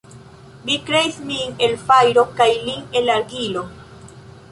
Vi kreis min el fajro kaj lin el argilo.